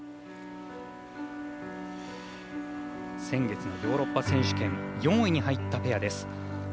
先月のヨーロッパ選手権４位に入ったペアです。